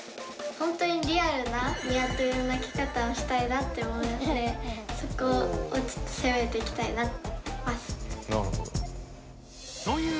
ほんとにリアルなニワトリの鳴きかたをしたいなって思うのでそこをせめていきたいなと思います。